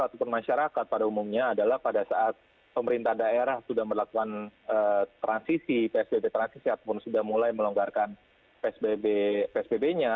ataupun masyarakat pada umumnya adalah pada saat pemerintah daerah sudah melakukan transisi psbb transisi ataupun sudah mulai melonggarkan psbb nya